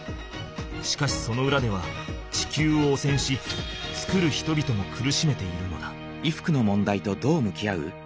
しかしそのうらでは地球を汚染し作る人々も苦しめているのだ。